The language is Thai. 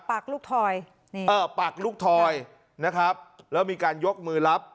ปากลูกทอยนี่เออปากลูกทอยนะครับแล้วมีการยกมือรับ